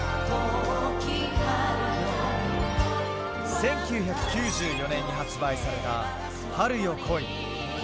１９９４年に発売された春よ、来い。